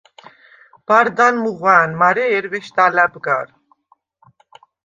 ბარდან მუღვა̄̈ნ, მარე ჲერვეშდ ალა̈ბ გარ.